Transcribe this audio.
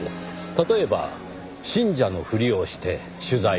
例えば信者のふりをして取材をしていた。